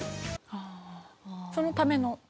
ああそのための？